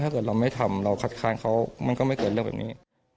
ถ้าเกิดเราไม่ทำเราคัดค้านเขามันก็ไม่เกิดเรื่องแบบนี้